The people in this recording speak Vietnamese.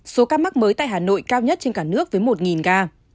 số ca mắc mới tại hà nội cao nhất trên cả nước với một ca